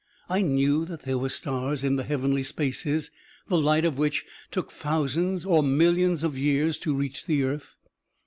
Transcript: I knew that there were stars in the heavenly spaces the light of which took thousands or millions of years to reach the earth.